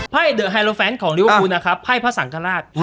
ไพ่เดอะไฮโลฟแฟนของลิวคูนะครับไพ่พระสังฆราช